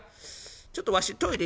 「ちょっとわしトイレ」。